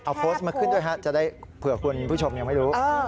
เอาโพสต์มาขึ้นด้วยฮะจะได้เผื่อคุณผู้ชมยังไม่รู้